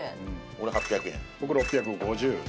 俺８００円